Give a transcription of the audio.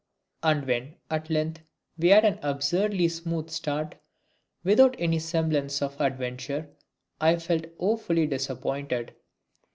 And when, at length, we made an absurdly smooth start, without any semblance of adventure, I felt woefully disappointed.